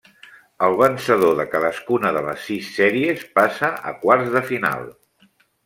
El vencedor de cadascuna de les sis sèries passa a quarts de final.